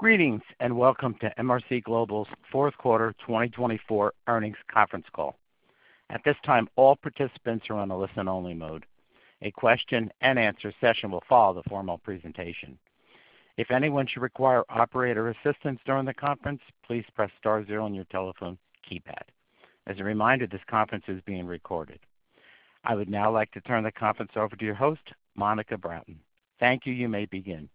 Greetings and welcome to MRC Global's Fourth Quarter 2024 Earnings Conference Call. At this time, all participants are on a listen-only mode. A question-and-answer session will follow the formal presentation. If anyone should require operator assistance during the conference, please press star zero on your telephone keypad. As a reminder, this conference is being recorded. I would now like to turn the conference over to your host, Monica Broughton. Thank you. You may begin. Thank you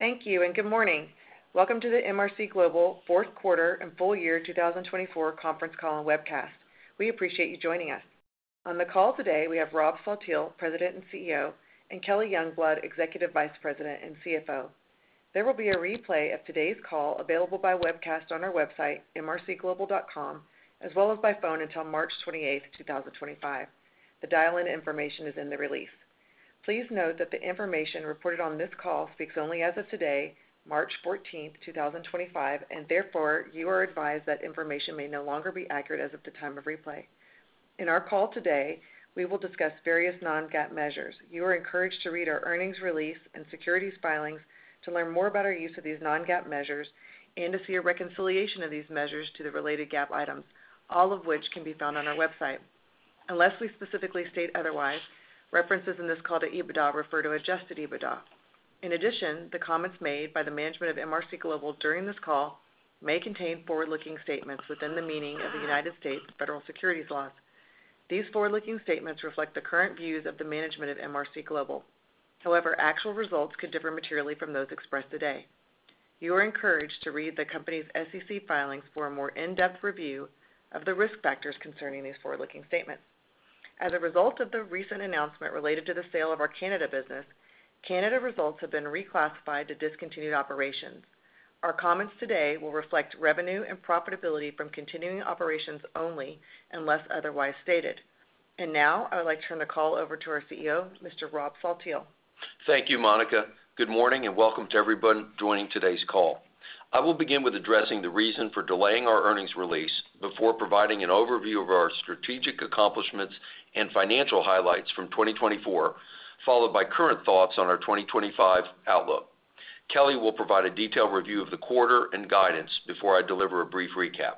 and good morning. Welcome to the MRC Global Fourth Quarter and Full Year 2024 Conference Call and Webcast. We appreciate you joining us. On the call today, we have Rob Saltiel, President and CEO, and Kelly Youngblood, Executive Vice President and CFO. There will be a replay of today's call available by webcast on our website, mrcglobal.com, as well as by phone until March 28th, 2025. The dial-in information is in the release. Please note that the information reported on this call speaks only as of today, March 14th, 2025, and therefore you are advised that information may no longer be accurate as of the time of replay. In our call today, we will discuss various non-GAAP measures. You are encouraged to read our earnings release and securities filings to learn more about our use of these non-GAAP measures and to see a reconciliation of these measures to the related GAAP items, all of which can be found on our website. Unless we specifically state otherwise, references in this call to EBITDA refer to adjusted EBITDA. In addition, the comments made by the management of MRC Global during this call may contain forward-looking statements within the meaning of the United States Federal Securities Laws. These forward-looking statements reflect the current views of the management of MRC Global. However, actual results could differ materially from those expressed today. You are encouraged to read the company's SEC filings for a more in-depth review of the risk factors concerning these forward-looking statements. As a result of the recent announcement related to the sale of our Canada business, Canada results have been reclassified to discontinued operations. Our comments today will reflect revenue and profitability from continuing operations only unless otherwise stated. I would like to turn the call over to our CEO, Mr. Rob Saltiel. Thank you, Monica. Good morning and welcome to everyone joining today's call. I will begin with addressing the reason for delaying our earnings release before providing an overview of our strategic accomplishments and financial highlights from 2024, followed by current thoughts on our 2025 outlook. Kelly will provide a detailed review of the quarter and guidance before I deliver a brief recap.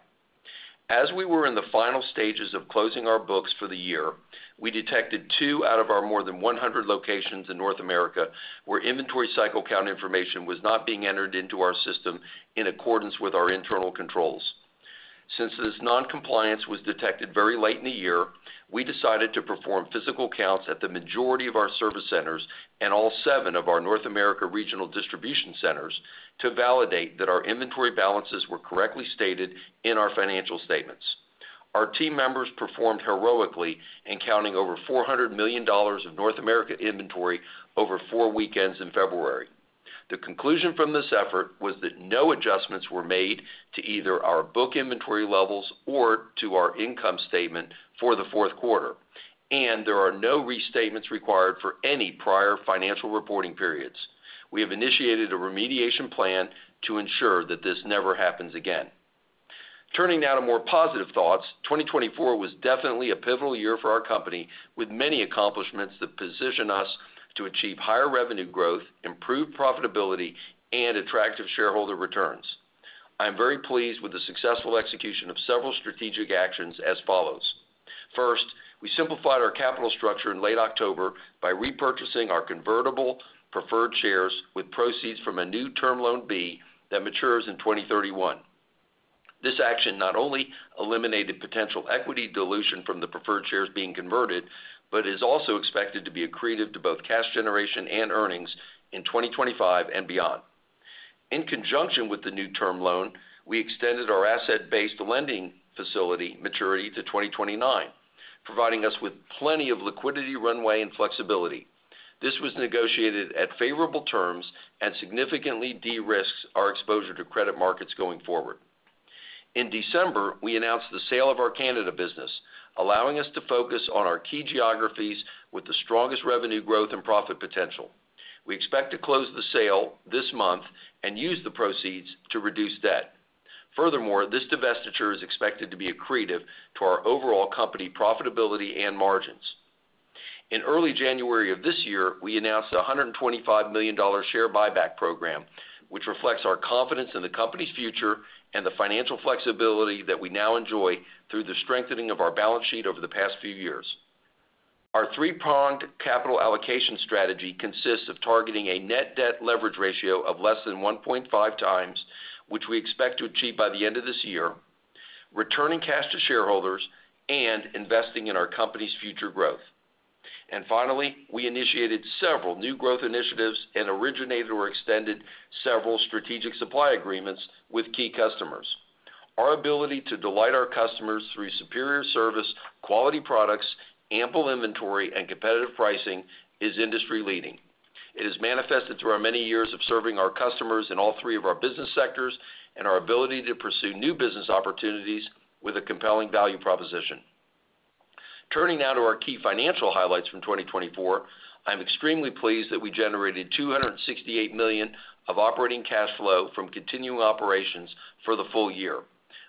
As we were in the final stages of closing our books for the year, we detected two out of our more than 100 locations in North America where inventory cycle count information was not being entered into our system in accordance with our internal controls. Since this non-compliance was detected very late in the year, we decided to perform physical counts at the majority of our service centers and all seven of our North America regional distribution centers to validate that our inventory balances were correctly stated in our financial statements. Our team members performed heroically in counting over $400 million of North America inventory over four weekends in February. The conclusion from this effort was that no adjustments were made to either our book inventory levels or to our income statement for the fourth quarter, and there are no restatements required for any prior financial reporting periods. We have initiated a remediation plan to ensure that this never happens again. Turning now to more positive thoughts, 2024 was definitely a pivotal year for our company with many accomplishments that position us to achieve higher revenue growth, improved profitability, and attractive shareholder returns. I am very pleased with the successful execution of several strategic actions as follows. First, we simplified our capital structure in late October by repurchasing our convertible preferred shares with proceeds from a new Term Loan B that matures in 2031. This action not only eliminated potential equity dilution from the preferred shares being converted, but is also expected to be accretive to both cash generation and earnings in 2025 and beyond. In conjunction with the new term loan, we extended our asset-based lending facility maturity to 2029, providing us with plenty of liquidity runway and flexibility. This was negotiated at favorable terms and significantly de-risked our exposure to credit markets going forward. In December, we announced the sale of our Canada business, allowing us to focus on our key geographies with the strongest revenue growth and profit potential. We expect to close the sale this month and use the proceeds to reduce debt. Furthermore, this divestiture is expected to be accretive to our overall company profitability and margins. In early January of this year, we announced a $125 million share buyback program, which reflects our confidence in the company's future and the financial flexibility that we now enjoy through the strengthening of our balance sheet over the past few years. Our three-pronged capital allocation strategy consists of targeting a net debt leverage ratio of less than 1.5x, which we expect to achieve by the end of this year, returning cash to shareholders, and investing in our company's future growth. Finally, we initiated several new growth initiatives and originated or extended several strategic supply agreements with key customers. Our ability to delight our customers through superior service, quality products, ample inventory, and competitive pricing is industry-leading. It is manifested through our many years of serving our customers in all three of our business sectors and our ability to pursue new business opportunities with a compelling value proposition. Turning now to our key financial highlights from 2024, I'm extremely pleased that we generated $268 million of operating cash flow from continuing operations for the full year,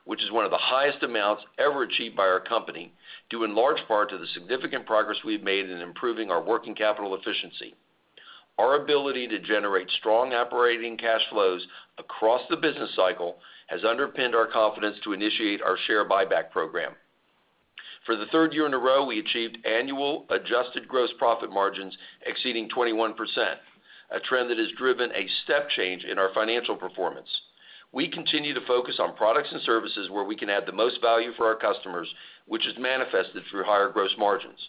which is one of the highest amounts ever achieved by our company, due in large part to the significant progress we've made in improving our working capital efficiency. Our ability to generate strong operating cash flows across the business cycle has underpinned our confidence to initiate our share buyback program. For the third year in a row, we achieved annual adjusted gross profit margins exceeding 21%, a trend that has driven a step change in our financial performance. We continue to focus on products and services where we can add the most value for our customers, which is manifested through higher gross margins.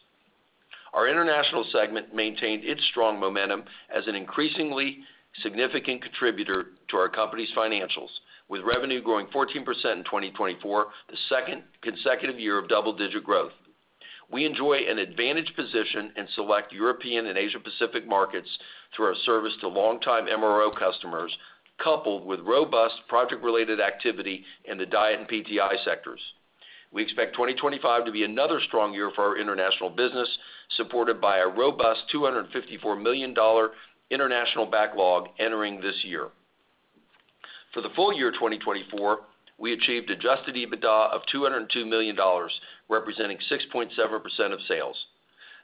Our international segment maintained its strong momentum as an increasingly significant contributor to our company's financials, with revenue growing 14% in 2024, the second consecutive year of double-digit growth. We enjoy an advantaged position in select European and Asia-Pacific markets through our service to long-time MRO customers, coupled with robust project-related activity in the DIET and PTI sectors. We expect 2025 to be another strong year for our international business, supported by a robust $254 million international backlog entering this year. For the full year 2024, we achieved adjusted EBITDA of $202 million, representing 6.7% of sales.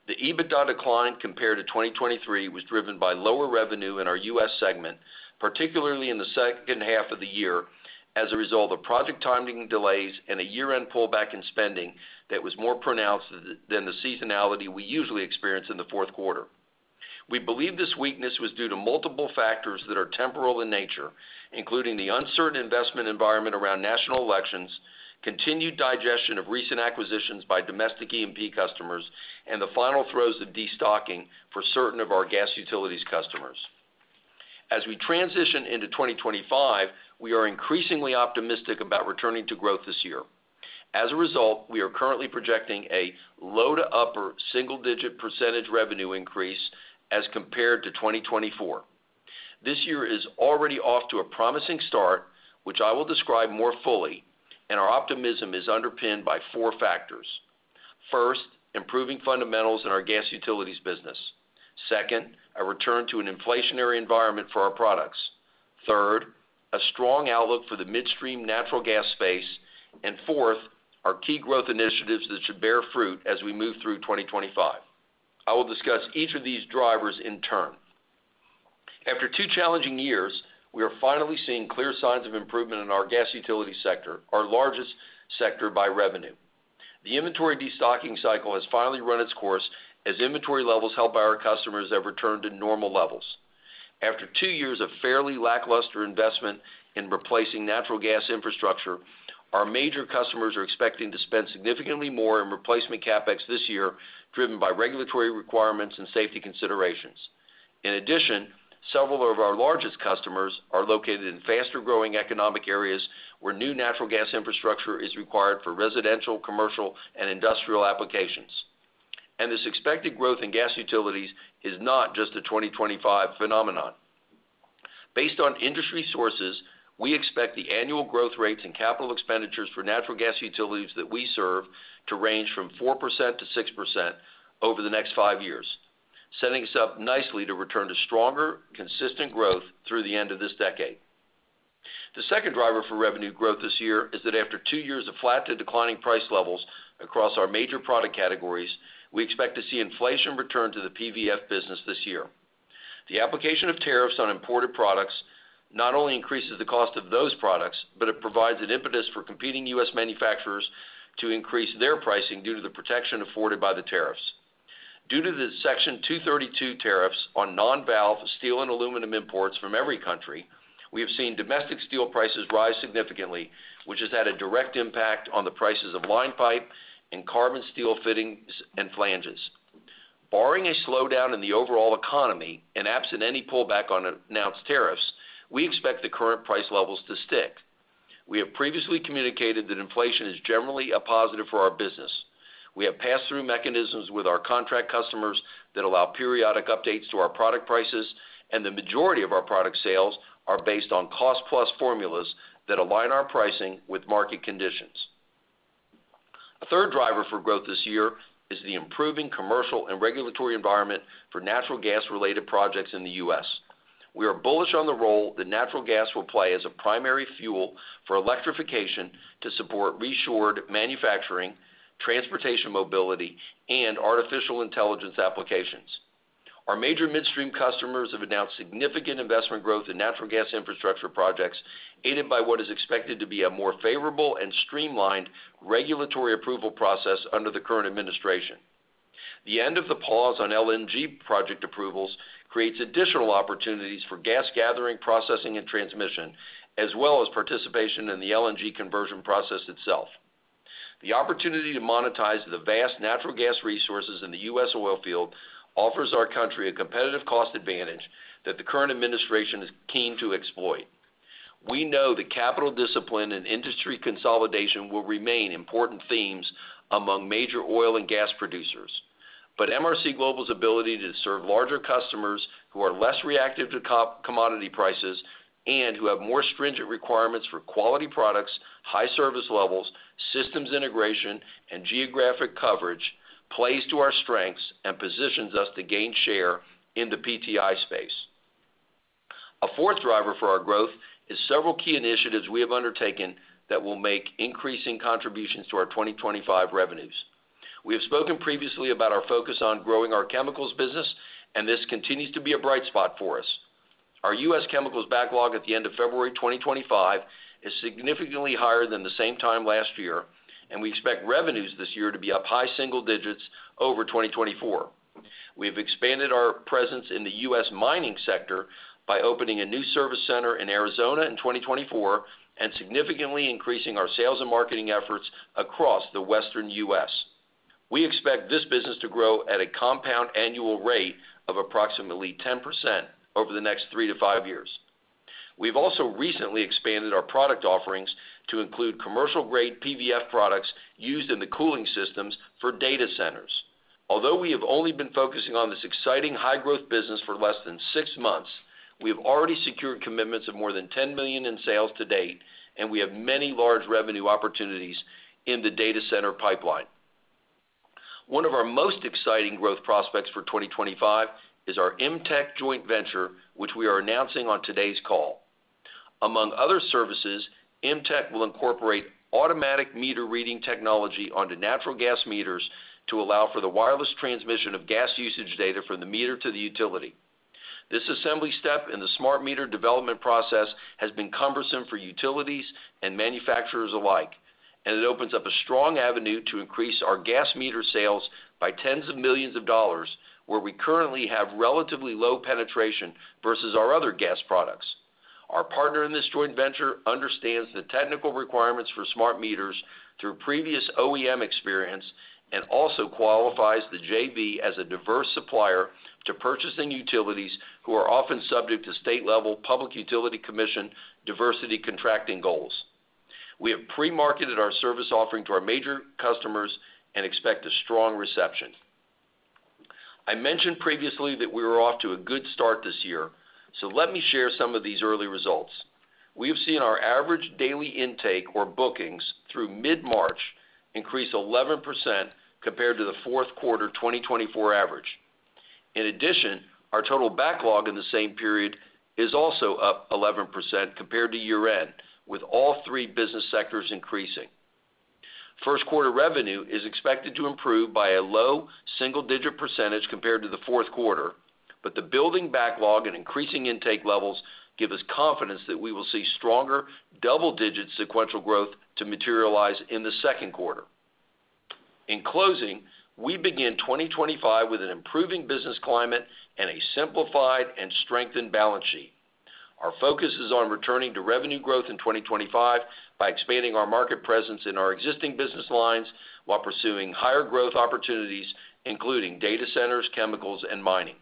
The EBITDA decline compared to 2023 was driven by lower revenue in our U.S. segment, particularly in the second half of the year, as a result of project timing delays and a year-end pullback in spending that was more pronounced than the seasonality we usually experience in the fourth quarter. We believe this weakness was due to multiple factors that are temporal in nature, including the uncertain investment environment around national elections, continued digestion of recent acquisitions by domestic E&P customers, and the final throes of destocking for certain of our gas utilities customers. As we transition into 2025, we are increasingly optimistic about returning to growth this year. As a result, we are currently projecting a low to upper single-digit % revenue increase as compared to 2024. This year is already off to a promising start, which I will describe more fully, and our optimism is underpinned by four factors. First, improving fundamentals in our gas utilities business. Second, a return to an inflationary environment for our products. Third, a strong outlook for the midstream natural gas space. Fourth, our key growth initiatives that should bear fruit as we move through 2025. I will discuss each of these drivers in turn. After two challenging years, we are finally seeing clear signs of improvement in our gas utility sector, our largest sector by revenue. The inventory destocking cycle has finally run its course as inventory levels held by our customers have returned to normal levels. After two years of fairly lackluster investment in replacing natural gas infrastructure, our major customers are expecting to spend significantly more in replacement CapEx this year, driven by regulatory requirements and safety considerations. In addition, several of our largest customers are located in faster-growing economic areas where new natural gas infrastructure is required for residential, commercial, and industrial applications. This expected growth in gas utilities is not just a 2025 phenomenon. Based on industry sources, we expect the annual growth rates and capital expenditures for natural gas utilities that we serve to range from 4%-6% over the next five years, setting us up nicely to return to stronger, consistent growth through the end of this decade. The second driver for revenue growth this year is that after two years of flat to declining price levels across our major product categories, we expect to see inflation return to the PVF business this year. The application of tariffs on imported products not only increases the cost of those products, but it provides an impetus for competing U.S. manufacturers to increase their pricing due to the protection afforded by the tariffs. Due to the Section 232 tariffs on non-valve steel and aluminum imports from every country, we have seen domestic steel prices rise significantly, which has had a direct impact on the prices of line pipe and carbon steel fittings and flanges. Barring a slowdown in the overall economy and absent any pullback on announced tariffs, we expect the current price levels to stick. We have previously communicated that inflation is generally a positive for our business. We have pass-through mechanisms with our contract customers that allow periodic updates to our product prices, and the majority of our product sales are based on cost-plus formulas that align our pricing with market conditions. A third driver for growth this year is the improving commercial and regulatory environment for natural gas-related projects in the U.S. We are bullish on the role that natural gas will play as a primary fuel for electrification to support reshored manufacturing, transportation mobility, and artificial intelligence applications. Our major midstream customers have announced significant investment growth in natural gas infrastructure projects, aided by what is expected to be a more favorable and streamlined regulatory approval process under the current administration. The end of the pause on LNG project approvals creates additional opportunities for gas gathering, processing, and transmission, as well as participation in the LNG conversion process itself. The opportunity to monetize the vast natural gas resources in the U.S. oil field offers our country a competitive cost advantage that the current administration is keen to exploit. We know that capital discipline and industry consolidation will remain important themes among major oil and gas producers. MRC Global's ability to serve larger customers who are less reactive to commodity prices and who have more stringent requirements for quality products, high service levels, systems integration, and geographic coverage plays to our strengths and positions us to gain share in the PTI space. A fourth driver for our growth is several key initiatives we have undertaken that will make increasing contributions to our 2025 revenues. We have spoken previously about our focus on growing our chemicals business, and this continues to be a bright spot for us. Our U.S. chemicals backlog at the end of February 2025 is significantly higher than the same time last year, and we expect revenues this year to be up high single digits over 2024. We have expanded our presence in the U.S. mining sector by opening a new service center in Arizona in 2024 and significantly increasing our sales and marketing efforts across the western U.S. We expect this business to grow at a compound annual rate of approximately 10% over the next three to five years. We have also recently expanded our product offerings to include commercial-grade PVF products used in the cooling systems for data centers. Although we have only been focusing on this exciting high-growth business for less than six months, we have already secured commitments of more than $10 million in sales to date, and we have many large revenue opportunities in the data center pipeline. One of our most exciting growth prospects for 2025 is our IMTEC joint venture, which we are announcing on today's call. Among other services, IMTEC will incorporate automatic meter reading technology onto natural gas meters to allow for the wireless transmission of gas usage data from the meter to the utility. This assembly step in the smart meter development process has been cumbersome for utilities and manufacturers alike, and it opens up a strong avenue to increase our gas meter sales by tens of millions of dollars, where we currently have relatively low penetration versus our other gas products. Our partner in this joint venture understands the technical requirements for smart meters through previous OEM experience and also qualifies the JV as a diverse supplier to purchasing utilities who are often subject to state-level public utility commission diversity contracting goals. We have pre-marketed our service offering to our major customers and expect a strong reception. I mentioned previously that we were off to a good start this year, so let me share some of these early results. We have seen our average daily intake or bookings through mid-March increase 11% compared to the fourth quarter 2024 average. In addition, our total backlog in the same period is also up 11% compared to year-end, with all three business sectors increasing. First quarter revenue is expected to improve by a low single-digit percentage compared to the fourth quarter, but the building backlog and increasing intake levels give us confidence that we will see stronger double-digit sequential growth to materialize in the second quarter. In closing, we begin 2025 with an improving business climate and a simplified and strengthened balance sheet. Our focus is on returning to revenue growth in 2025 by expanding our market presence in our existing business lines while pursuing higher growth opportunities, including data centers, chemicals, and mining.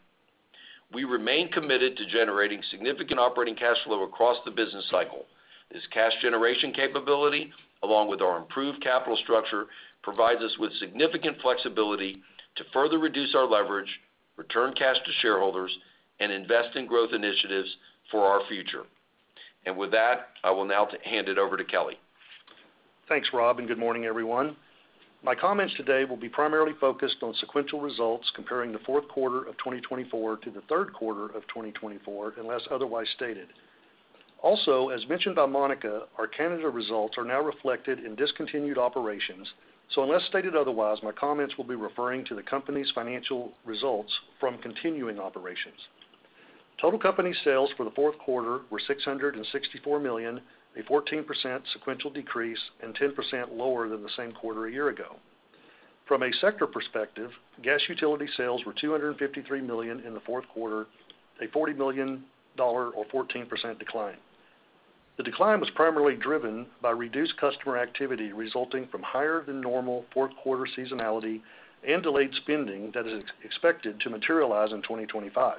We remain committed to generating significant operating cash flow across the business cycle. This cash generation capability, along with our improved capital structure, provides us with significant flexibility to further reduce our leverage, return cash to shareholders, and invest in growth initiatives for our future. I will now hand it over to Kelly. Thanks, Rob, and good morning, everyone. My comments today will be primarily focused on sequential results comparing the fourth quarter of 2024 to the third quarter of 2024, unless otherwise stated. Also, as mentioned by Monica, our Canada results are now reflected in discontinued operations, so unless stated otherwise, my comments will be referring to the company's financial results from continuing operations. Total company sales for the fourth quarter were $664 million, a 14% sequential decrease and 10% lower than the same quarter a year ago. From a sector perspective, gas utility sales were $253 million in the fourth quarter, a $40 million or 14% decline. The decline was primarily driven by reduced customer activity resulting from higher-than-normal fourth-quarter seasonality and delayed spending that is expected to materialize in 2025.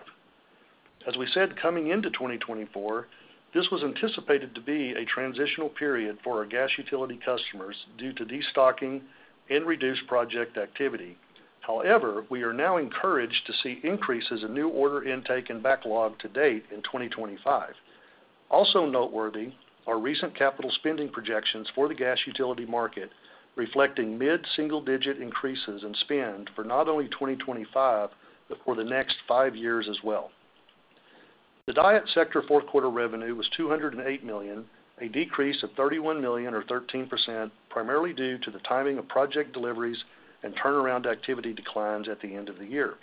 As we said, coming into 2024, this was anticipated to be a transitional period for our gas utility customers due to destocking and reduced project activity. However, we are now encouraged to see increases in new order intake and backlog to date in 2025. Also noteworthy are recent capital spending projections for the gas utility market, reflecting mid-single-digit increases in spend for not only 2025 but for the next five years as well. The DIET sector fourth-quarter revenue was $208 million, a decrease of $31 million or 13%, primarily due to the timing of project deliveries and turnaround activity declines at the end of the year.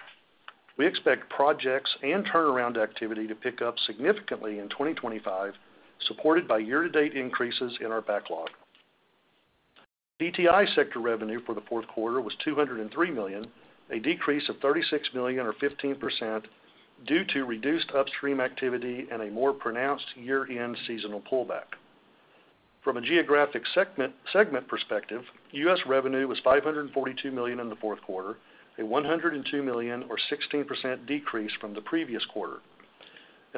We expect projects and turnaround activity to pick up significantly in 2025, supported by year-to-date increases in our backlog. PTI sector revenue for the fourth quarter was $203 million, a decrease of $36 million or 15% due to reduced upstream activity and a more pronounced year-end seasonal pullback. From a geographic segment perspective, U.S. revenue was $542 million in the fourth quarter, a $102 million or 16% decrease from the previous quarter.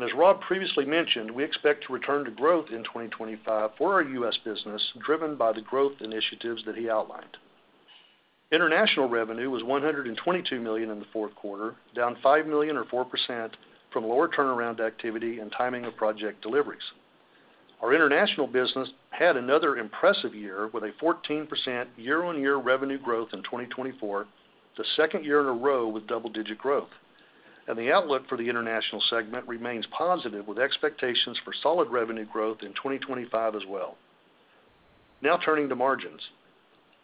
As Rob previously mentioned, we expect to return to growth in 2025 for our U.S. business, driven by the growth initiatives that he outlined. International revenue was $122 million in the fourth quarter, down $5 million or 4% from lower turnaround activity and timing of project deliveries. Our international business had another impressive year with a 14% year-on-year revenue growth in 2024, the second year in a row with double-digit growth. The outlook for the international segment remains positive, with expectations for solid revenue growth in 2025 as well. Now turning to margins,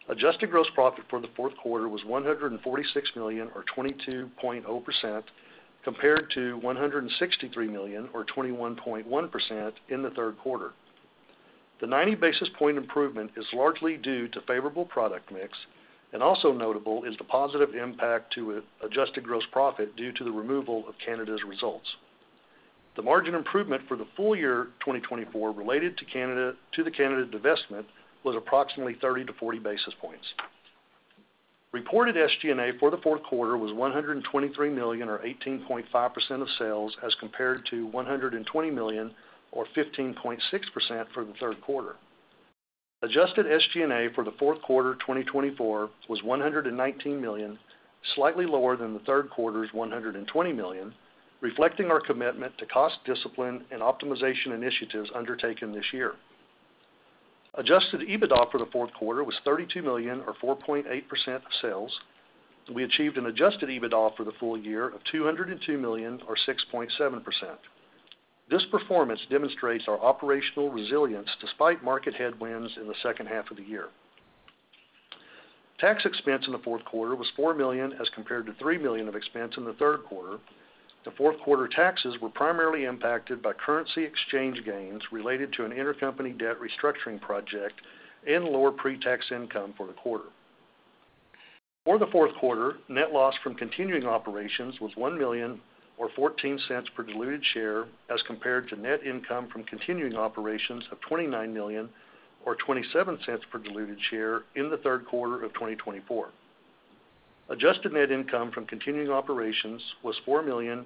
adjusted gross profit for the fourth quarter was $146 million or 22.0%, compared to $163 million or 21.1% in the third quarter. The 90 basis point improvement is largely due to favorable product mix, and also notable is the positive impact to adjusted gross profit due to the removal of Canada's results. The margin improvement for the full year 2024 related to the Canada divestment was approximately 30-40 basis points. Reported SG&A for the fourth quarter was $123 million or 18.5% of sales, as compared to $120 million or 15.6% for the third quarter. Adjusted SG&A for the fourth quarter 2024 was $119 million, slightly lower than the third quarter's $120 million, reflecting our commitment to cost discipline and optimization initiatives undertaken this year. Adjusted EBITDA for the fourth quarter was $32 million or 4.8% of sales. We achieved an Adjusted EBITDA for the full year of $202 million or 6.7%. This performance demonstrates our operational resilience despite market headwinds in the second half of the year. Tax expense in the fourth quarter was $4 million, as compared to $3 million of expense in the third quarter. The fourth quarter taxes were primarily impacted by currency exchange gains related to an intercompany debt restructuring project and lower pre-tax income for the quarter. For the fourth quarter, net loss from continuing operations was $1 million or $0.14 per diluted share, as compared to net income from continuing operations of $29 million or $0.27 per diluted share in the third quarter of 2024. Adjusted net income from continuing operations was $4 million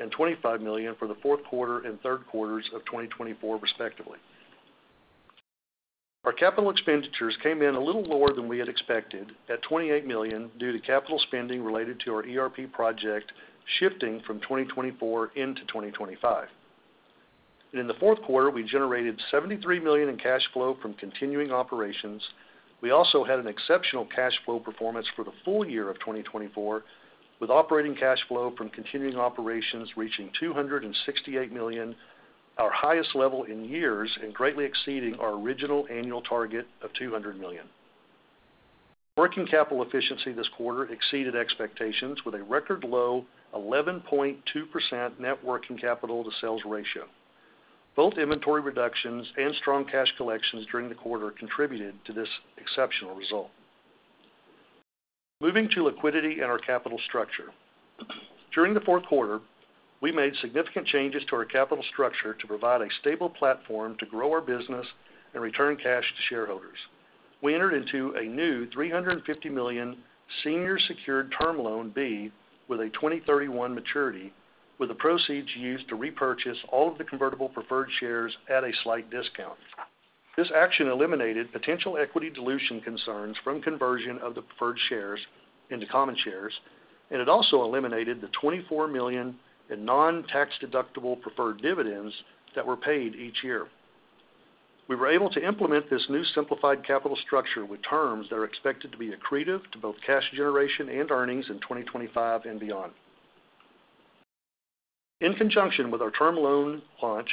and $25 million for the fourth quarter and third quarter of 2024, respectively. Our capital expenditures came in a little lower than we had expected, at $28 million, due to capital spending related to our ERP project shifting from 2024 into 2025. In the fourth quarter, we generated $73 million in cash flow from continuing operations. We also had an exceptional cash flow performance for the full year of 2024, with operating cash flow from continuing operations reaching $268 million, our highest level in years and greatly exceeding our original annual target of $200 million. Working capital efficiency this quarter exceeded expectations, with a record low 11.2% net working capital to sales ratio. Both inventory reductions and strong cash collections during the quarter contributed to this exceptional result. Moving to liquidity and our capital structure. During the fourth quarter, we made significant changes to our capital structure to provide a stable platform to grow our business and return cash to shareholders. We entered into a new $350 million senior secured Term Loan B with a 2031 maturity, with the proceeds used to repurchase all of the convertible preferred shares at a slight discount. This action eliminated potential equity dilution concerns from conversion of the preferred shares into common shares, and it also eliminated the $24 million in non-tax-deductible preferred dividends that were paid each year. We were able to implement this new simplified capital structure with terms that are expected to be accretive to both cash generation and earnings in 2025 and beyond. In conjunction with our term loan launch,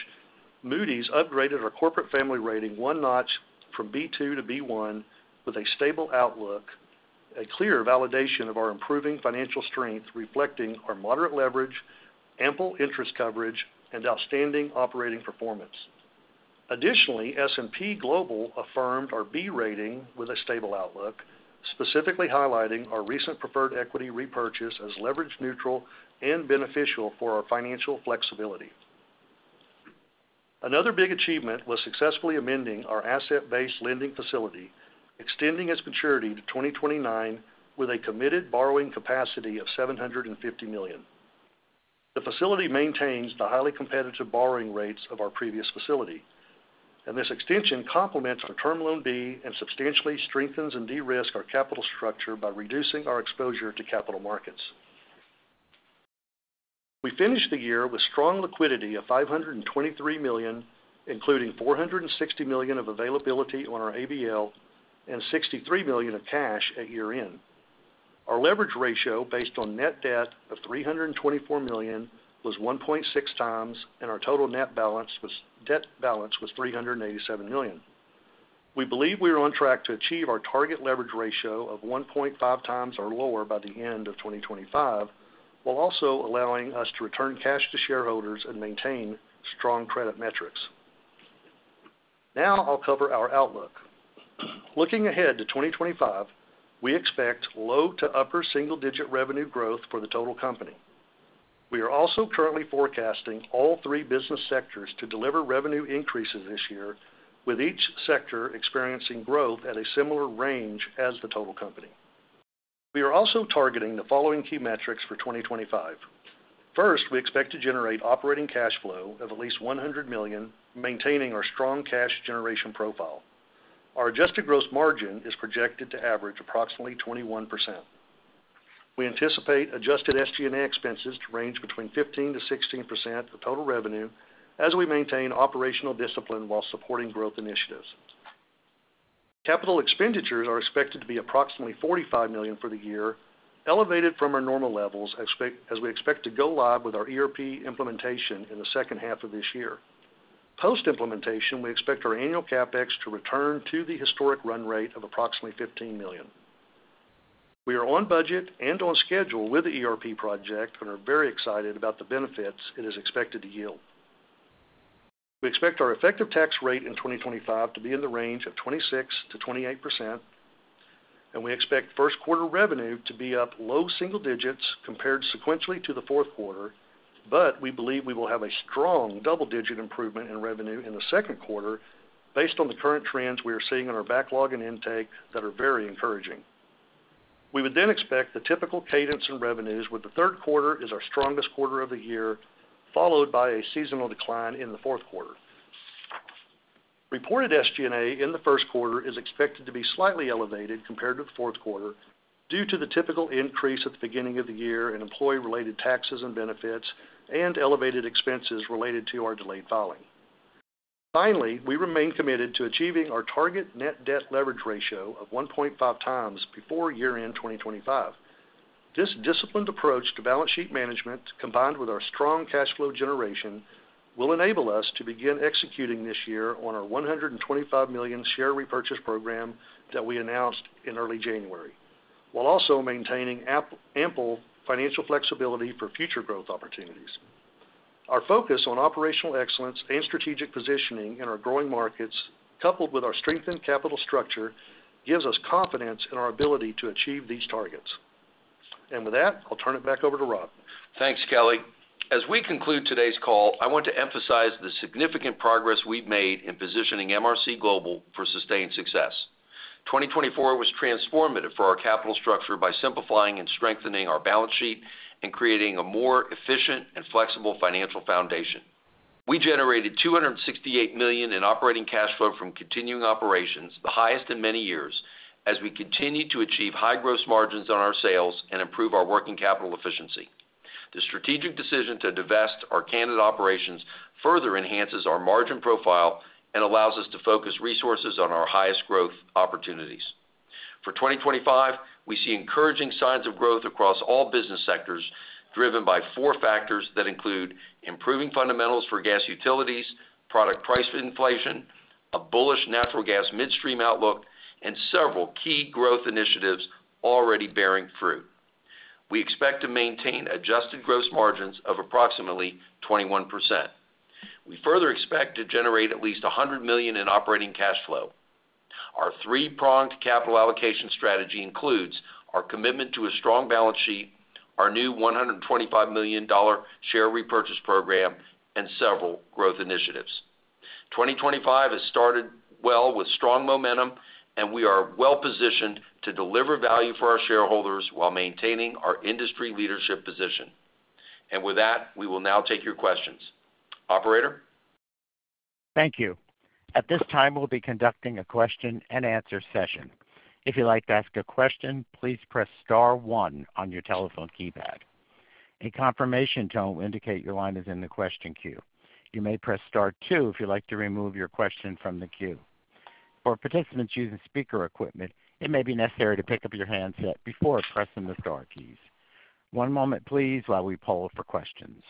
Moody's upgraded our corporate family rating one notch from B2 to B1, with a stable outlook, a clear validation of our improving financial strength reflecting our moderate leverage, ample interest coverage, and outstanding operating performance. Additionally, S&P Global affirmed our B rating with a stable outlook, specifically highlighting our recent preferred equity repurchase as leverage neutral and beneficial for our financial flexibility. Another big achievement was successfully amending our asset-based lending facility, extending its maturity to 2029 with a committed borrowing capacity of $750 million. The facility maintains the highly competitive borrowing rates of our previous facility, and this extension complements our Term Loan B and substantially strengthens and de-risks our capital structure by reducing our exposure to capital markets. We finished the year with strong liquidity of $523 million, including $460 million of availability on our ABL and $63 million of cash at year-end. Our leverage ratio, based on net debt of $324 million, was 1.6 times, and our total net balance was $387 million. We believe we are on track to achieve our target leverage ratio of 1.5 times or lower by the end of 2025, while also allowing us to return cash to shareholders and maintain strong credit metrics. Now I'll cover our outlook. Looking ahead to 2025, we expect low to upper single-digit revenue growth for the total company. We are also currently forecasting all three business sectors to deliver revenue increases this year, with each sector experiencing growth at a similar range as the total company. We are also targeting the following key metrics for 2025. First, we expect to generate operating cash flow of at least $100 million, maintaining our strong cash generation profile. Our adjusted gross margin is projected to average approximately 21%. We anticipate adjusted SG&A expenses to range between 15%-16% of total revenue, as we maintain operational discipline while supporting growth initiatives. Capital expenditures are expected to be approximately $45 million for the year, elevated from our normal levels, as we expect to go live with our ERP implementation in the second half of this year. Post-implementation, we expect our annual CapEx to return to the historic run rate of approximately $15 million. We are on budget and on schedule with the ERP project and are very excited about the benefits it is expected to yield. We expect our effective tax rate in 2025 to be in the range of 26%-28%, and we expect first-quarter revenue to be up low single digits compared sequentially to the fourth quarter, but we believe we will have a strong double-digit improvement in revenue in the second quarter, based on the current trends we are seeing in our backlog and intake that are very encouraging. We would then expect the typical cadence in revenues, with the third quarter being our strongest quarter of the year, followed by a seasonal decline in the fourth quarter. Reported SG&A in the first quarter is expected to be slightly elevated compared to the fourth quarter, due to the typical increase at the beginning of the year in employee-related taxes and benefits and elevated expenses related to our delayed filing. Finally, we remain committed to achieving our target net debt leverage ratio of 1.5 times before year-end 2025. This disciplined approach to balance sheet management, combined with our strong cash flow generation, will enable us to begin executing this year on our $125 million share repurchase program that we announced in early January, while also maintaining ample financial flexibility for future growth opportunities. Our focus on operational excellence and strategic positioning in our growing markets, coupled with our strengthened capital structure, gives us confidence in our ability to achieve these targets. With that, I'll turn it back over to Rob. Thanks, Kelly. As we conclude today's call, I want to emphasize the significant progress we've made in positioning MRC Global for sustained success. 2024 was transformative for our capital structure by simplifying and strengthening our balance sheet and creating a more efficient and flexible financial foundation. We generated $268 million in operating cash flow from continuing operations, the highest in many years, as we continue to achieve high gross margins on our sales and improve our working capital efficiency. The strategic decision to divest our Canada operations further enhances our margin profile and allows us to focus resources on our highest growth opportunities. For 2025, we see encouraging signs of growth across all business sectors, driven by four factors that include improving fundamentals for gas utilities, product price inflation, a bullish natural gas midstream outlook, and several key growth initiatives already bearing fruit. We expect to maintain adjusted gross margins of approximately 21%. We further expect to generate at least $100 million in operating cash flow. Our three-pronged capital allocation strategy includes our commitment to a strong balance sheet, our new $125 million share repurchase program, and several growth initiatives. 2025 has started well with strong momentum, and we are well positioned to deliver value for our shareholders while maintaining our industry leadership position. With that, we will now take your questions. Operator? Thank you. At this time, we'll be conducting a question-and-answer session. If you'd like to ask a question, please press star one on your telephone keypad. A confirmation tone will indicate your line is in the question queue. You may press star two if you'd like to remove your question from the queue. For participants using speaker equipment, it may be necessary to pick up your handset before pressing the star keys. One moment, please, while we poll for questions.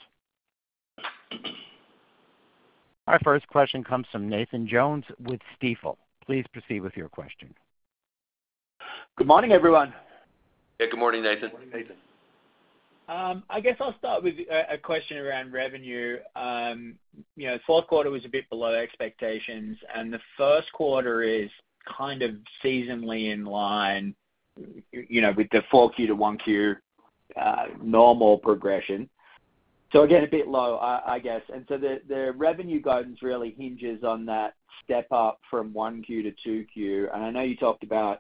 Our first question comes from Nathan Jones with Stifel. Please proceed with your question. Good morning, everyone. Yeah, good morning, Nathan. Morning, Nathan. I guess I'll start with a question around revenue. The fourth quarter was a bit below expectations, and the first quarter is kind of seasonally in line with the 4Q to 1Q normal progression. Again, a bit low, I guess. The revenue guidance really hinges on that step up from 1Q to 2Q. I know you talked about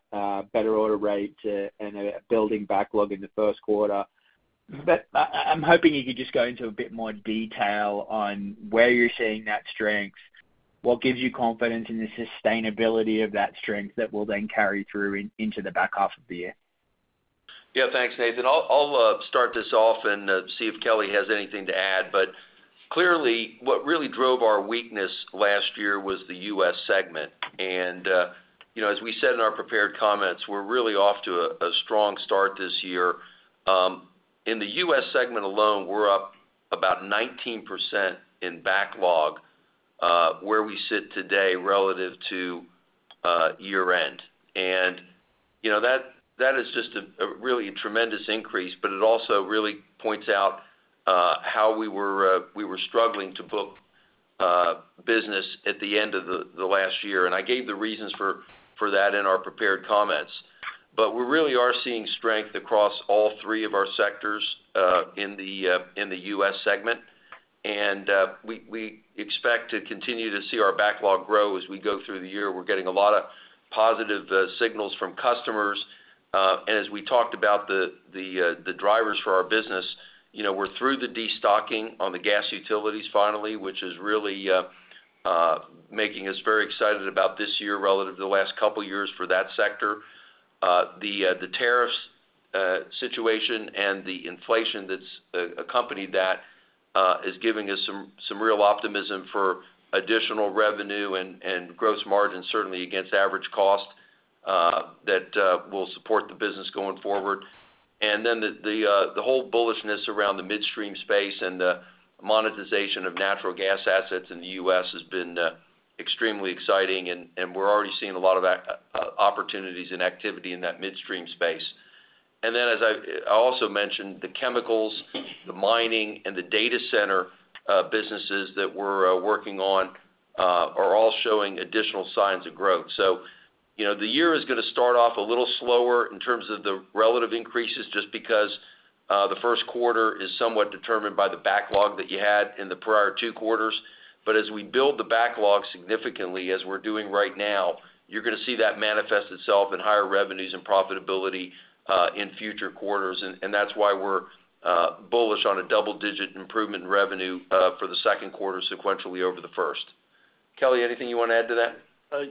better order rate and a building backlog in the first quarter, but I'm hoping you could just go into a bit more detail on where you're seeing that strength, what gives you confidence in the sustainability of that strength that will then carry through into the back half of the year. Yeah, thanks, Nathan. I'll start this off and see if Kelly has anything to add. Clearly, what really drove our weakness last year was the U.S. segment. As we said in our prepared comments, we're really off to a strong start this year. In the U.S. segment alone, we're up about 19% in backlog where we sit today relative to year-end. That is just really a tremendous increase, but it also really points out how we were struggling to book business at the end of last year. I gave the reasons for that in our prepared comments. We really are seeing strength across all three of our sectors in the U.S. segment. We expect to continue to see our backlog grow as we go through the year. We are getting a lot of positive signals from customers. As we talked about the drivers for our business, we are through the destocking on the gas utilities finally, which is really making us very excited about this year relative to the last couple of years for that sector. The tariffs situation and the inflation that has accompanied that is giving us some real optimism for additional revenue and gross margin, certainly against average cost, that will support the business going forward. The whole bullishness around the midstream space and the monetization of natural gas assets in the U.S. has been extremely exciting, and we're already seeing a lot of opportunities and activity in that midstream space. As I also mentioned, the chemicals, the mining, and the data center businesses that we're working on are all showing additional signs of growth. The year is going to start off a little slower in terms of the relative increases, just because the first quarter is somewhat determined by the backlog that you had in the prior two quarters. As we build the backlog significantly, as we're doing right now, you're going to see that manifest itself in higher revenues and profitability in future quarters. That's why we're bullish on a double-digit improvement in revenue for the second quarter sequentially over the first. Kelly, anything you want to add to that?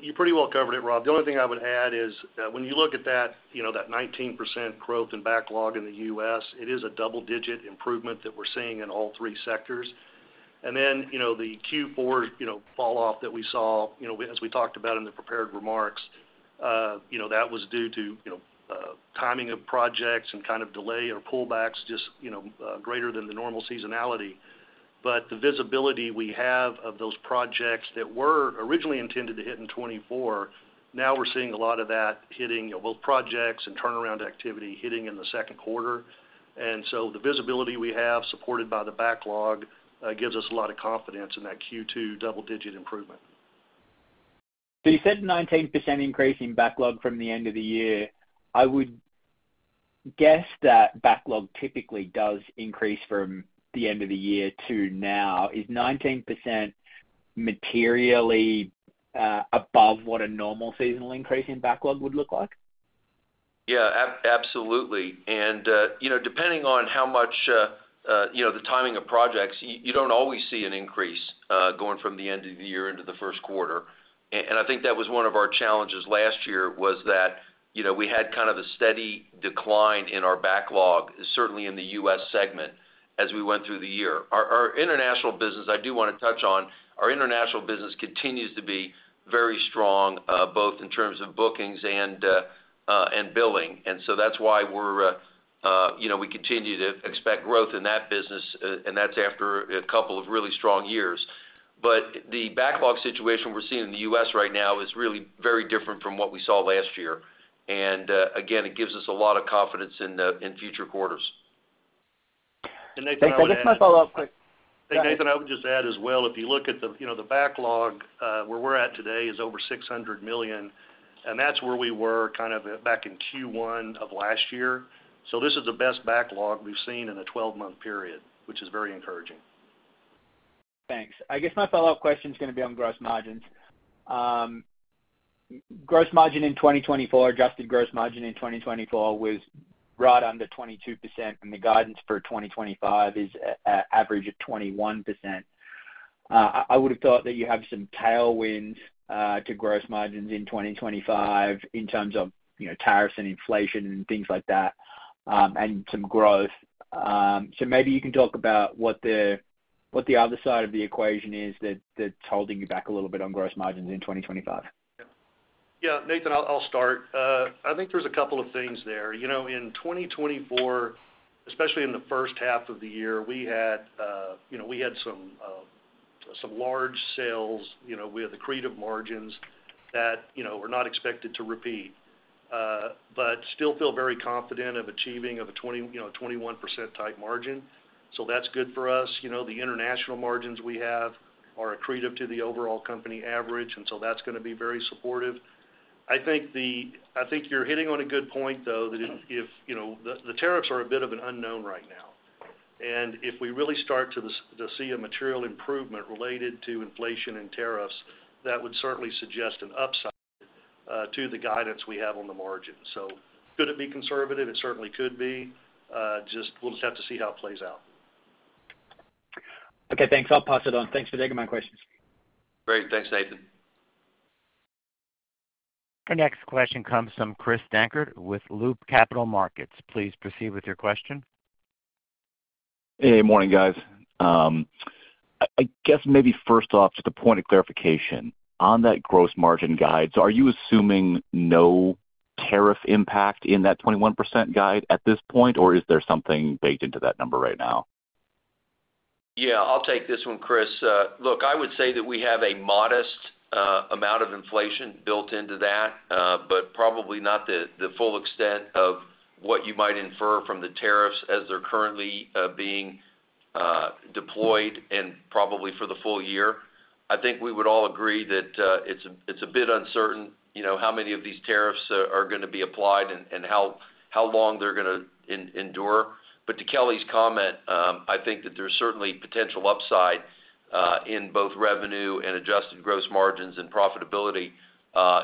You pretty well covered it, Rob. The only thing I would add is when you look at that 19% growth in backlog in the U.S., it is a double-digit improvement that we're seeing in all three sectors. The Q4 falloff that we saw, as we talked about in the prepared remarks, that was due to timing of projects and kind of delay or pullbacks just greater than the normal seasonality. The visibility we have of those projects that were originally intended to hit in 2024, now we're seeing a lot of that hitting, both projects and turnaround activity hitting in the second quarter. The visibility we have, supported by the backlog, gives us a lot of confidence in that Q2 double-digit improvement. You said 19% increase in backlog from the end of the year. I would guess that backlog typically does increase from the end of the year to now. Is 19% materially above what a normal seasonal increase in backlog would look like? Yeah, absolutely. Depending on how much the timing of projects, you do not always see an increase going from the end of the year into the first quarter. I think that was one of our challenges last year, was that we had kind of a steady decline in our backlog, certainly in the U.S. segment, as we went through the year. Our international business, I do want to touch on, our international business continues to be very strong, both in terms of bookings and billing. That is why we continue to expect growth in that business, and that is after a couple of really strong years. The backlog situation we are seeing in the U.S. right now is really very different from what we saw last year. It gives us a lot of confidence in future quarters. Thanks, Nathan. I'll just follow up quick. Thanks, Nathan. I would just add as well, if you look at the backlog, where we're at today is over $600 million, and that's where we were kind of back in Q1 of last year. This is the best backlog we've seen in a 12-month period, which is very encouraging. Thanks. I guess my follow-up question is going to be on gross margins. Gross margin in 2024, adjusted gross margin in 2024, was right under 22%, and the guidance for 2025 is an average of 21%. I would have thought that you have some tailwinds to gross margins in 2025 in terms of tariffs and inflation and things like that, and some growth. Maybe you can talk about what the other side of the equation is that's holding you back a little bit on gross margins in 2025. Yeah, Nathan, I'll start. I think there's a couple of things there. In 2024, especially in the first half of the year, we had some large sales with accretive margins that were not expected to repeat, but still feel very confident of achieving a 21%-type margin. That's good for us. The international margins we have are accretive to the overall company average, and that's going to be very supportive. I think you're hitting on a good point, though, that the tariffs are a bit of an unknown right now. If we really start to see a material improvement related to inflation and tariffs, that would certainly suggest an upside to the guidance we have on the margins. Could it be conservative? It certainly could be. We'll just have to see how it plays out. Okay, thanks. I'll pass it on. Thanks for taking my questions. Great. Thanks, Nathan. Our next question comes from Chris Dankert with Loop Capital Markets. Please proceed with your question. Hey, morning, guys. I guess maybe first off, just a point of clarification on that gross margin guide. Are you assuming no tariff impact in that 21% guide at this point, or is there something baked into that number right now? Yeah, I'll take this one, Chris. Look, I would say that we have a modest amount of inflation built into that, but probably not the full extent of what you might infer from the tariffs as they're currently being deployed and probably for the full year. I think we would all agree that it's a bit uncertain how many of these tariffs are going to be applied and how long they're going to endure. To Kelly's comment, I think that there's certainly potential upside in both revenue and adjusted gross margins and profitability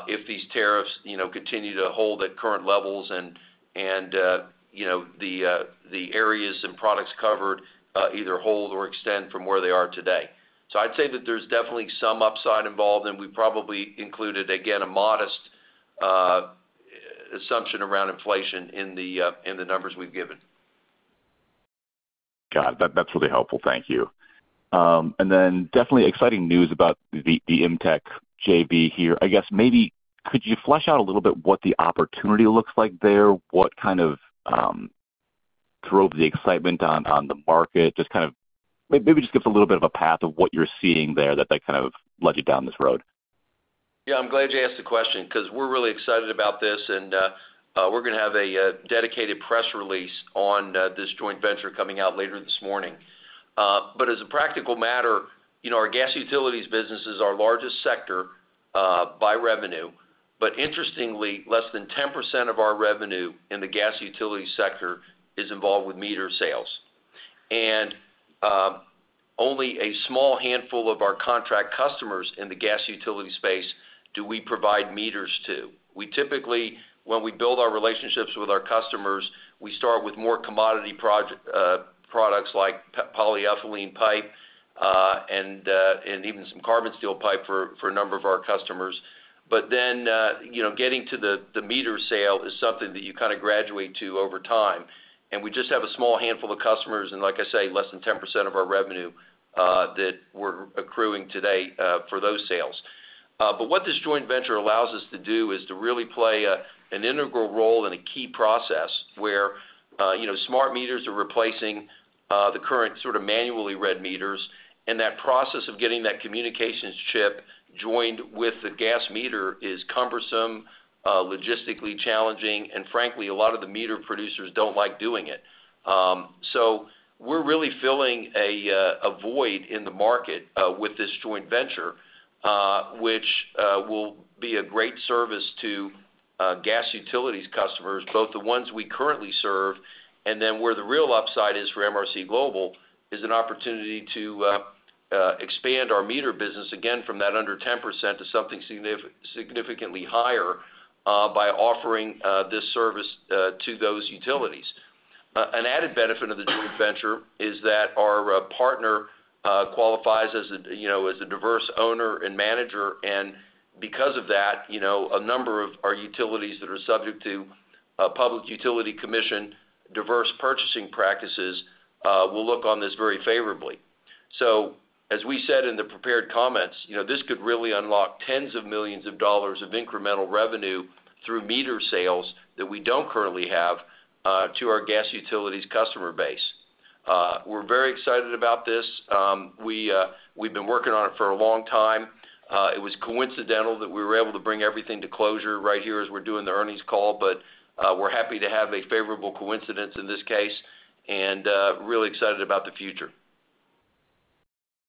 if these tariffs continue to hold at current levels and the areas and products covered either hold or extend from where they are today. I'd say that there's definitely some upside involved, and we probably included, again, a modest assumption around inflation in the numbers we've given. Got it. That's really helpful. Thank you. Definitely exciting news about the IMTEC JV here. I guess maybe could you flesh out a little bit what the opportunity looks like there? What kind of drove the excitement on the market? Just kind of maybe just give us a little bit of a path of what you're seeing there that kind of led you down this road. Yeah, I'm glad you asked the question because we're really excited about this, and we're going to have a dedicated press release on this joint venture coming out later this morning. As a practical matter, our gas utilities business is our largest sector by revenue. Interestingly, less than 10% of our revenue in the gas utility sector is involved with meter sales. Only a small handful of our contract customers in the gas utility space do we provide meters to. We typically, when we build our relationships with our customers, we start with more commodity products like polyethylene pipe and even some carbon steel pipe for a number of our customers. Then getting to the meter sale is something that you kind of graduate to over time. We just have a small handful of customers, and like I say, less than 10% of our revenue that we're accruing today for those sales. What this joint venture allows us to do is to really play an integral role in a key process where smart meters are replacing the current sort of manually read meters, and that process of getting that communications chip joined with the gas meter is cumbersome, logistically challenging, and frankly, a lot of the meter producers do not like doing it. We are really filling a void in the market with this joint venture, which will be a great service to gas utilities customers, both the ones we currently serve. Where the real upside is for MRC Global is an opportunity to expand our meter business again from that under 10% to something significantly higher by offering this service to those utilities. An added benefit of the joint venture is that our partner qualifies as a diverse owner and manager. Because of that, a number of our utilities that are subject to public utility commission diverse purchasing practices will look on this very favorably. As we said in the prepared comments, this could really unlock tens of millions of dollars of incremental revenue through meter sales that we do not currently have to our gas utilities customer base. We are very excited about this. We have been working on it for a long time. It was coincidental that we were able to bring everything to closure right here as we're doing the earnings call, but we're happy to have a favorable coincidence in this case and really excited about the future.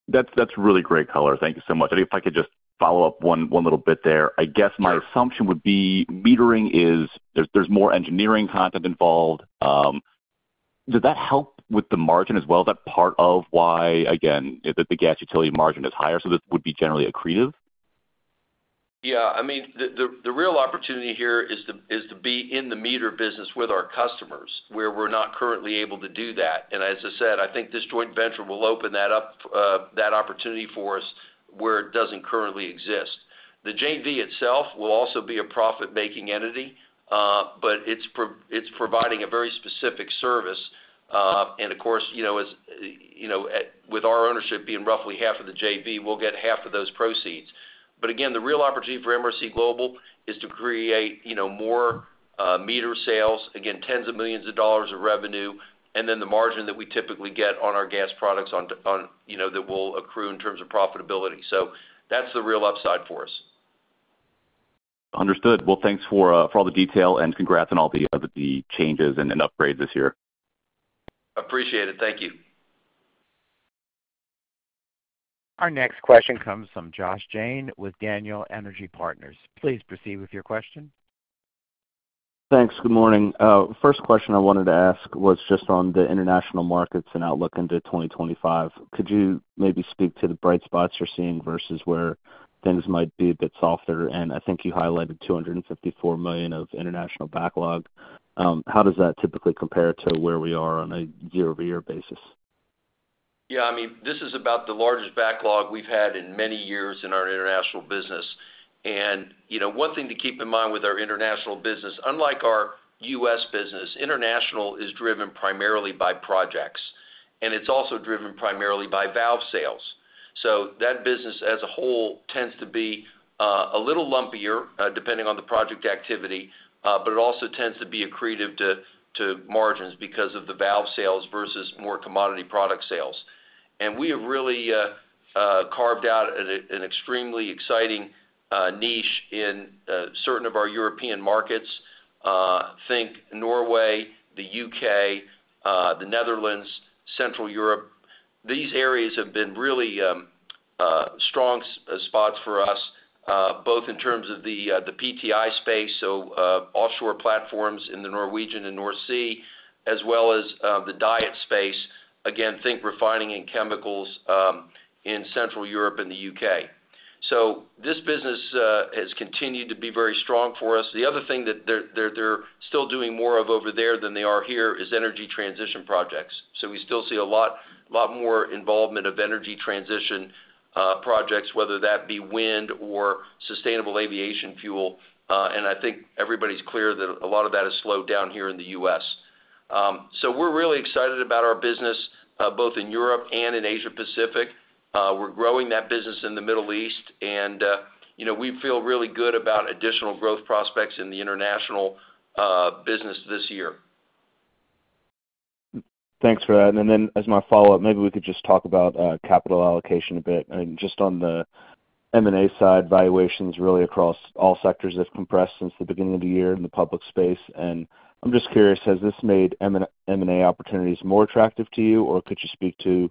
That's really great, Kelly. Thank you so much. If I could just follow up one little bit there. I guess my assumption would be metering is there's more engineering content involved. Does that help with the margin as well? Is that part of why, again, the gas utility margin is higher? This would be generally accretive? Yeah. I mean, the real opportunity here is to be in the meter business with our customers where we're not currently able to do that. As I said, I think this joint venture will open that up, that opportunity for us where it doesn't currently exist. The JV itself will also be a profit-making entity, but it's providing a very specific service. Of course, with our ownership being roughly half of the JV, we'll get half of those proceeds. Again, the real opportunity for MRC Global is to create more meter sales, tens of millions of dollars of revenue, and then the margin that we typically get on our gas products that will accrue in terms of profitability. That is the real upside for us. Understood. Thanks for all the detail and congrats on all the changes and upgrades this year. Appreciate it. Thank you. Our next question comes from Josh Jayne with Daniel Energy Partners. Please proceed with your question. Thanks. Good morning. First question I wanted to ask was just on the international markets and outlook into 2025. Could you maybe speak to the bright spots you're seeing versus where things might be a bit softer? I think you highlighted $254 million of international backlog. How does that typically compare to where we are on a year-over-year basis? Yeah. I mean, this is about the largest backlog we've had in many years in our international business. One thing to keep in mind with our international business, unlike our U.S. business, is international is driven primarily by projects, and it's also driven primarily by valve sales. That business as a whole tends to be a little lumpier depending on the project activity, but it also tends to be accretive to margins because of the valve sales versus more commodity product sales. We have really carved out an extremely exciting niche in certain of our European markets. Think Norway, the U.K., the Netherlands, Central Europe. These areas have been really strong spots for us, both in terms of the PTI space, so offshore platforms in the Norwegian and North Sea, as well as the DIET space. Again, think refining and chemicals in Central Europe and the U.K. This business has continued to be very strong for us. The other thing that they are still doing more of over there than they are here is energy transition projects. We still see a lot more involvement of energy transition projects, whether that be wind or sustainable aviation fuel. I think everybody is clear that a lot of that has slowed down here in the U.S. We are really excited about our business both in Europe and in Asia-Pacific. We are growing that business in the Middle East, and we feel really good about additional growth prospects in the international business this year. Thanks for that. As my follow-up, maybe we could just talk about capital allocation a bit. Just on the M&A side, valuations really across all sectors have compressed since the beginning of the year in the public space. I'm just curious, has this made M&A opportunities more attractive to you, or could you speak to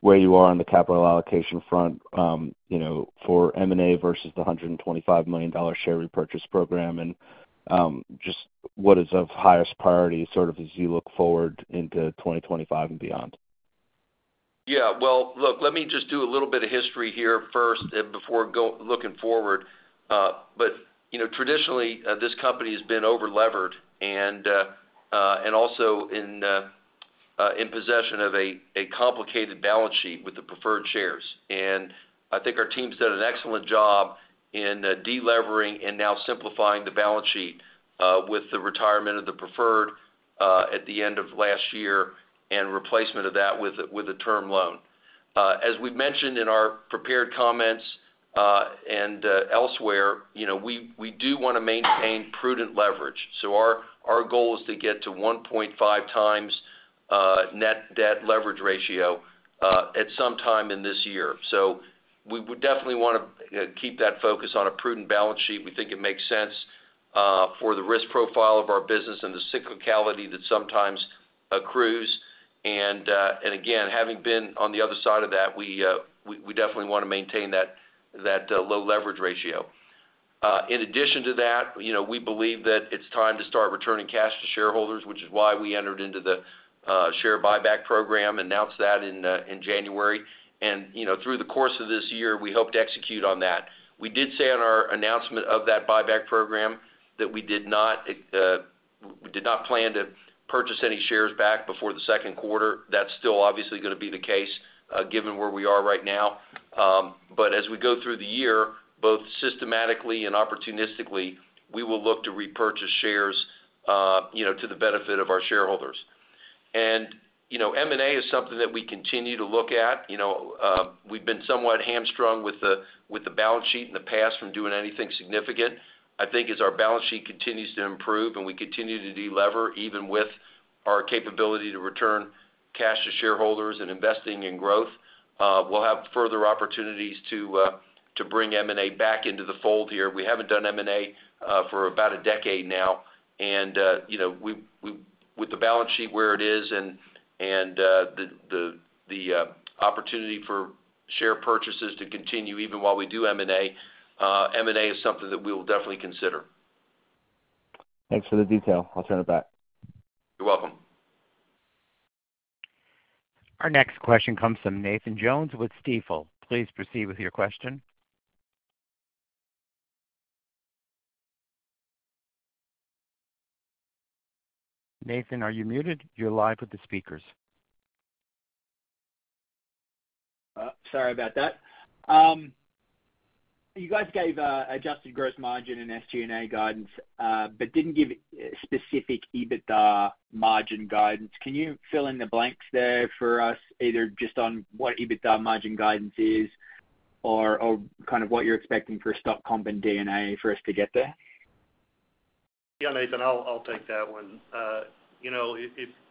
where you are on the capital allocation front for M&A versus the $125 million share repurchase program and just what is of highest priority sort of as you look forward into 2025 and beyond? Yeah. Look, let me just do a little bit of history here first before looking forward. Traditionally, this company has been over-levered and also in possession of a complicated balance sheet with the preferred shares. I think our team's done an excellent job in delivering and now simplifying the balance sheet with the retirement of the preferred at the end of last year and replacement of that with a term loan. As we mentioned in our prepared comments and elsewhere, we do want to maintain prudent leverage. Our goal is to get to 1.5x net debt leverage ratio at some time in this year. We would definitely want to keep that focus on a prudent balance sheet. We think it makes sense for the risk profile of our business and the cyclicality that sometimes accrues. Having been on the other side of that, we definitely want to maintain that low leverage ratio. In addition to that, we believe that it's time to start returning cash to shareholders, which is why we entered into the share buyback program, announced that in January. Through the course of this year, we hope to execute on that. We did say in our announcement of that buyback program that we did not plan to purchase any shares back before the second quarter. That is still obviously going to be the case given where we are right now. As we go through the year, both systematically and opportunistically, we will look to repurchase shares to the benefit of our shareholders. M&A is something that we continue to look at. We've been somewhat hamstrung with the balance sheet in the past from doing anything significant. I think as our balance sheet continues to improve and we continue to deliver even with our capability to return cash to shareholders and investing in growth, we'll have further opportunities to bring M&A back into the fold here. We haven't done M&A for about a decade now. With the balance sheet where it is and the opportunity for share purchases to continue even while we do M&A, M&A is something that we will definitely consider. Thanks for the detail. I'll turn it back. You're welcome. Our next question comes from Nathan Jones with Stifel. Please proceed with your question. Nathan, are you muted? You're live with the speakers. Sorry about that. You guys gave adjusted gross margin and SG&A guidance but didn't give specific EBITDA margin guidance. Can you fill in the blanks there for us either just on what EBITDA margin guidance is or kind of what you're expecting for stock comp and D&A for us to get there? Yeah, Nathan, I'll take that one.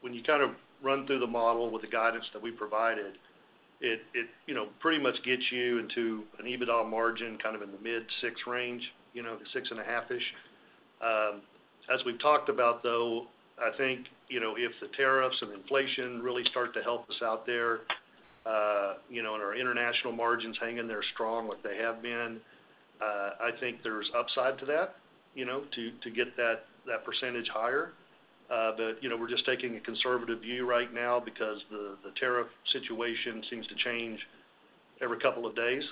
When you kind of run through the model with the guidance that we provided, it pretty much gets you into an EBITDA margin kind of in the mid-6 range, the 6.5%-ish. As we've talked about, though, I think if the tariffs and inflation really start to help us out there and our international margins hang in there strong like they have been, I think there's upside to that to get that percentage higher. We're just taking a conservative view right now because the tariff situation seems to change every couple of days.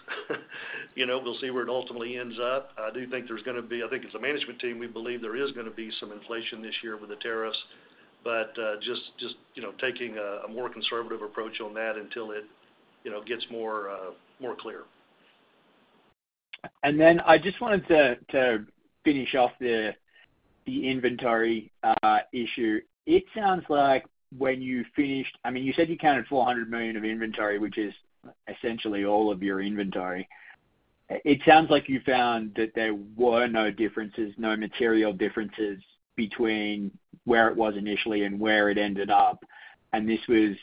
We'll see where it ultimately ends up. I do think there's going to be, I think as a management team, we believe there is going to be some inflation this year with the tariffs, but just taking a more conservative approach on that until it gets more clear. I just wanted to finish off the inventory issue. It sounds like when you finished, I mean, you said you counted $400 million of inventory, which is essentially all of your inventory. It sounds like you found that there were no differences, no material differences between where it was initially and where it ended up. This was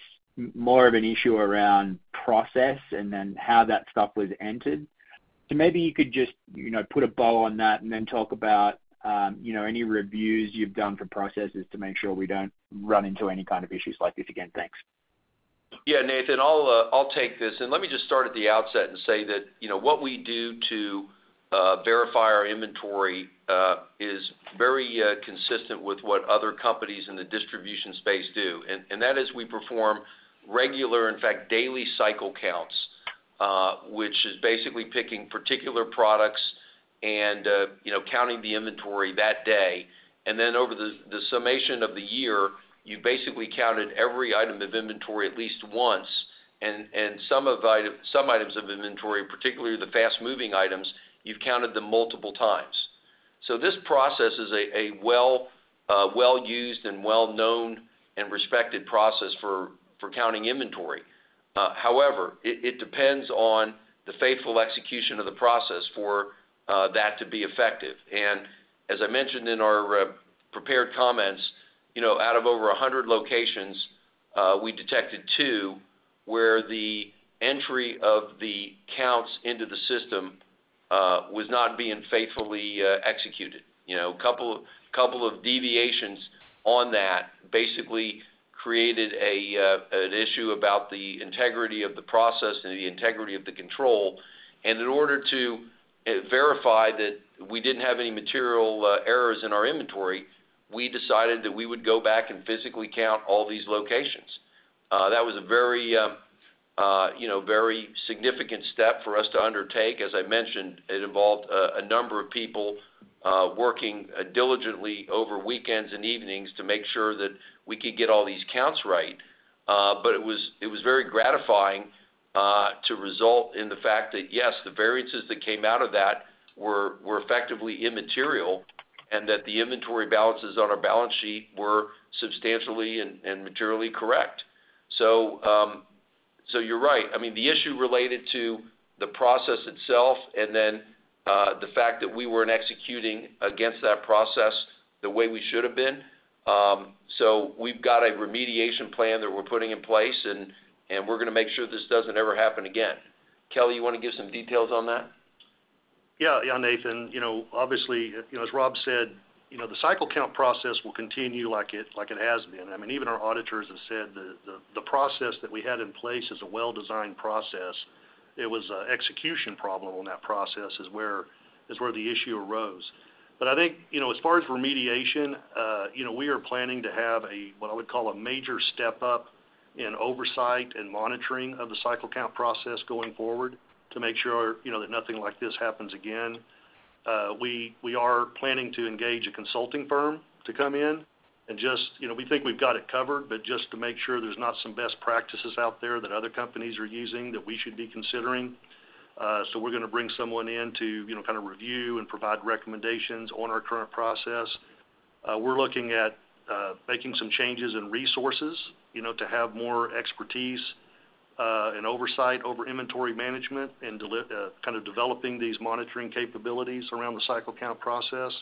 more of an issue around process and then how that stuff was entered. Maybe you could just put a bow on that and then talk about any reviews you've done for processes to make sure we don't run into any kind of issues like this again. Thanks. Yeah, Nathan, I'll take this. Let me just start at the outset and say that what we do to verify our inventory is very consistent with what other companies in the distribution space do. That is, we perform regular, in fact, daily cycle counts, which is basically picking particular products and counting the inventory that day. Over the summation of the year, you basically counted every item of inventory at least once. Some items of inventory, particularly the fast-moving items, you've counted them multiple times. This process is a well-used and well-known and respected process for counting inventory. However, it depends on the faithful execution of the process for that to be effective. As I mentioned in our prepared comments, out of over 100 locations, we detected two where the entry of the counts into the system was not being faithfully executed. A couple of deviations on that basically created an issue about the integrity of the process and the integrity of the control. In order to verify that we did not have any material errors in our inventory, we decided that we would go back and physically count all these locations. That was a very, very significant step for us to undertake. As I mentioned, it involved a number of people working diligently over weekends and evenings to make sure that we could get all these counts right. It was very gratifying to result in the fact that, yes, the variances that came out of that were effectively immaterial and that the inventory balances on our balance sheet were substantially and materially correct. You are right. I mean, the issue related to the process itself and then the fact that we weren't executing against that process the way we should have been. We've got a remediation plan that we're putting in place, and we're going to make sure this doesn't ever happen again. Kelly, you want to give some details on that? Yeah. Yeah, Nathan. Obviously, as Rob said, the cycle count process will continue like it has been. I mean, even our auditors have said the process that we had in place is a well-designed process. It was an execution problem on that process is where the issue arose. I think as far as remediation, we are planning to have what I would call a major step up in oversight and monitoring of the cycle count process going forward to make sure that nothing like this happens again. We are planning to engage a consulting firm to come in, and we think we've got it covered, but just to make sure there's not some best practices out there that other companies are using that we should be considering. We are going to bring someone in to kind of review and provide recommendations on our current process. We are looking at making some changes in resources to have more expertise and oversight over inventory management and kind of developing these monitoring capabilities around the cycle count process.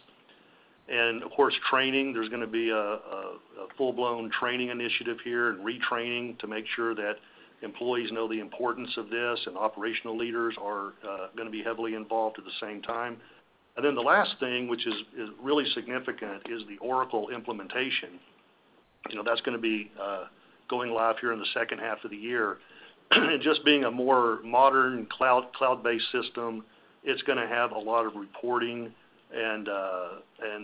Of course, training. There's going to be a full-blown training initiative here and retraining to make sure that employees know the importance of this, and operational leaders are going to be heavily involved at the same time. The last thing, which is really significant, is the Oracle implementation. That's going to be going live here in the second half of the year. Just being a more modern cloud-based system, it's going to have a lot of reporting and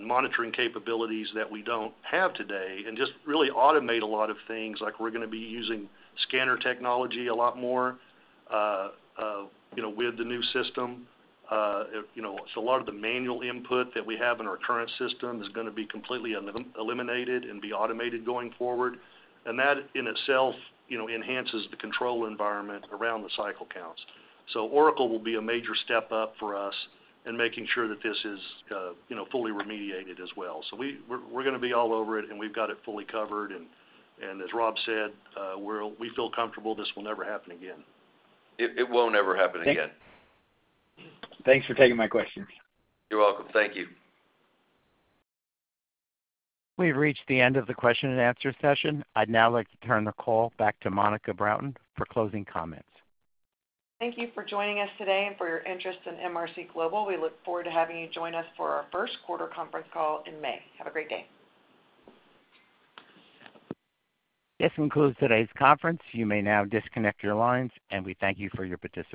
monitoring capabilities that we don't have today and just really automate a lot of things. We're going to be using scanner technology a lot more with the new system. A lot of the manual input that we have in our current system is going to be completely eliminated and be automated going forward. That in itself enhances the control environment around the cycle counts. Oracle will be a major step up for us in making sure that this is fully remediated as well. We're going to be all over it, and we've got it fully covered. As Rob said, we feel comfortable this will never happen again. It won't ever happen again. Thanks for taking my questions. You're welcome. Thank you. We've reached the end of the question and answer session. I'd now like to turn the call back to Monica Broughton for closing comments. Thank you for joining us today and for your interest in MRC Global. We look forward to having you join us for our first quarter conference call in May. Have a great day. This concludes today's conference. You may now disconnect your lines, and we thank you for your participation.